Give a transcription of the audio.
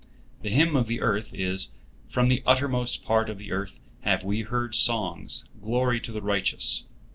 The hymn of the earth is, "From the uttermost part of the earth have we heard songs, glory to the Righteous."